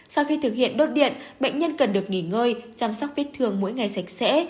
sau khi thực hiện đốt điện bệnh nhân cần được nghỉ ngơi chăm sóc vết thương mỗi ngày sạch sẽ